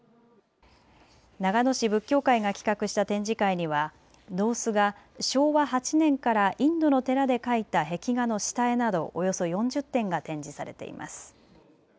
長野市仏教会が企画した展示会には野生司が昭和８年からインドの寺で描いた壁画の下絵などおよそ４０点が展示されています。